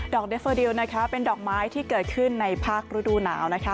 ดอกเดฟเฟอร์ดิลเป็นดอกไม้ที่เกิดขึ้นในภาคฤดูหนาว